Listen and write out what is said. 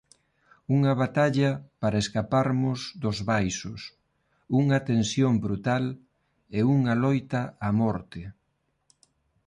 Unha batalla para escaparmos dos baixos; unha tensión brutal e unha loita a morte